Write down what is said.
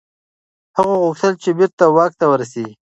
هغه غوښتل چي بیرته واک ته ورسیږي.